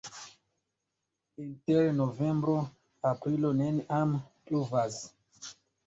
Inter novembro-aprilo neniam pluvas.